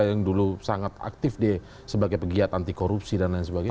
yang dulu sangat aktif sebagai pegiat anti korupsi dan lain sebagainya